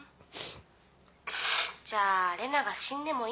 じゃあ玲奈が死んでもいいってわけね？